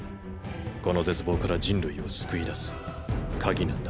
この絶望から人類を救い出す「鍵」なんだ。